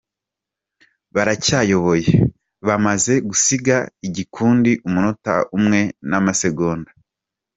Baracyayoboye, bamaze gusiga igikundi umunota umwe n’amasegonda